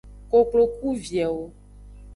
Koklo ku viewo.